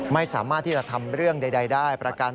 ไม่สามารถที่จะทำเรื่องใดได้